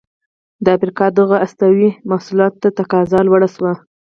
د افریقا دغو استوايي محصولاتو ته تقاضا لوړه شوه.